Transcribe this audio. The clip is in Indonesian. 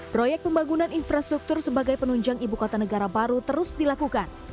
proyek pembangunan infrastruktur sebagai penunjang ibu kota negara baru terus dilakukan